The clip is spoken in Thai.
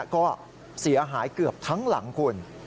ก็เสียหายเกือบทั้งหลังคุณ